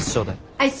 アイス。